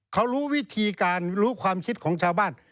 เขารู้วิธีการรู้ความคิดของชาวบ้าน